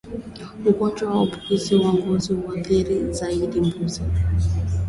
Ugonjwa wa kuambukiza wa ngozi huathiri zaidi mbuzi